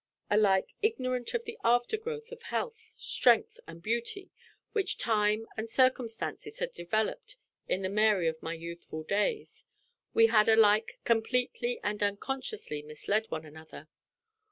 Alike ignorant of the aftergrowth of health, strength, and beauty which time and circumstances had developed in the Mary of my youthful days, we had alike completely and unconsciously misled one another.